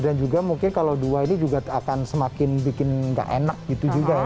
dan juga mungkin kalau dua ini juga akan semakin bikin gak enak gitu juga ya